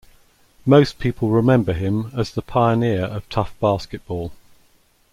Most people remember him as the pioneer of tough basketball.